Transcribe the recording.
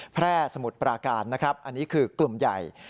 แพร่สมุทรปราการนะครับอันนี้คือกลุ่มใหญ่